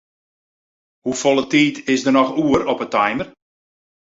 Hoefolle tiid is der noch oer op 'e timer?